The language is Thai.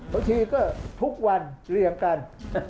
ภาคอีสานแห้งแรง